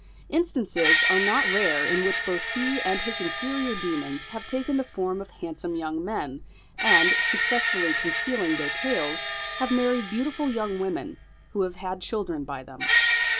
Instances are not rare in which both he and his inferior demons have taken the form of handsome young men, and, successfully concealing their tails, have married beautiful young women, who have had children by them.